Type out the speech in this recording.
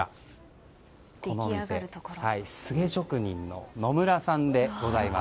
このお店職人の野村さんでございます。